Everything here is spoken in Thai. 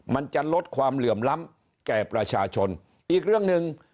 มันจะลดความเหลื่อมล้ำแก่ประชาชนอีกเรื่องหนึ่ง